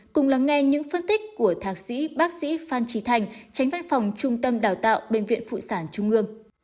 cùng lắng nghe những phân tích của thạc sĩ bác sĩ phan trí thành tránh văn phòng trung tâm đào tạo bệnh viện phụ sản trung ương